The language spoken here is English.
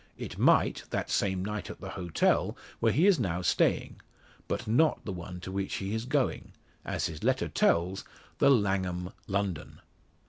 It might that same night at the hotel where he is now staying; but not the one to which he is going as his letter tells, the "Langham, London."